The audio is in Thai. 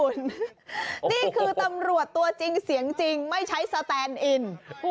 นี่คือตำรวจตัวจริงเสียงจริงไม่ใช้สแตนอิน